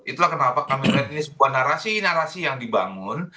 itulah kenapa kami melihat ini sebuah narasi narasi yang dibangun